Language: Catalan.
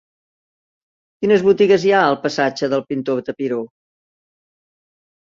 Quines botigues hi ha al passatge del Pintor Tapiró?